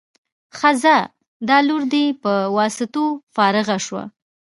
ښه ځه دا لور دې په واسطو فارغه شو.